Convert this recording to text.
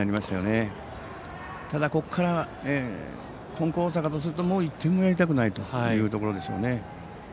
ただ、ここから金光大阪とするともう１点もやりたくないというところですね。